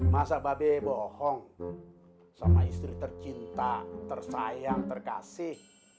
masa mba be bohong sama istri tercinta tersayang terkasih